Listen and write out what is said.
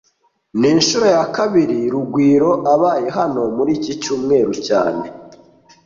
Ni inshuro ya kabiri Rugwiro abaye hano muri iki cyumweru cyane